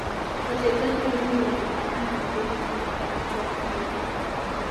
wachezaji wengi walilingangana magoli katika michuano hiyo